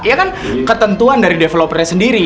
ya kan ketentuan dari developernya sendiri